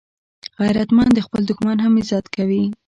غیرتمند د خپل دښمن هم عزت کوي